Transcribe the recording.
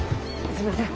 すみません。